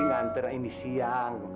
ngantar ini siang